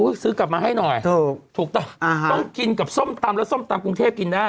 อุ๊ยซื้อกลับมาให้หน่อยถูกต้องกินกับส้มตำแล้วส้มตำกรุงเทพฯกินได้